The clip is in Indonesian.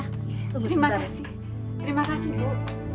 terima kasih terima kasih bu